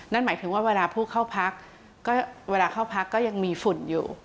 นั่นหมายถึงว่าเวลาผู้เข้าพักก็เวลาเข้าพักก็ยังมีฝุ่นอยู่